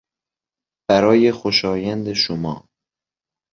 برای خوشایند شما